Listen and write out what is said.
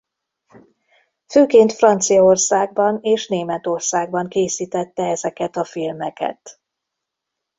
Főként Franciaországban és Németországban készítette ezeket a filmeket.